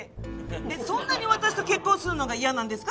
そんなに私と結婚するのが嫌なんですか？